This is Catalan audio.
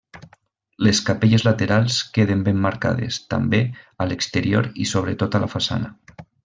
Les capelles laterals queden ben marcades, també, a l'exterior i sobretot a la façana.